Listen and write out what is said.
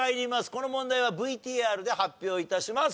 この問題はＶＴＲで発表致します。